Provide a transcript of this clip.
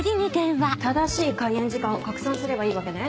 正しい開演時間を拡散すればいいわけね？